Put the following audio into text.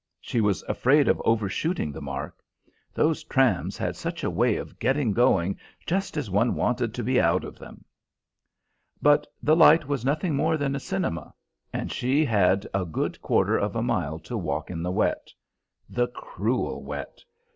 She was afraid of over shooting the mark. Those trams had such a way of getting going just as one wanted to be out of them! But the light was nothing more than a cinema, and she she had a good quarter of a mile to walk in the wet. The cruel wet!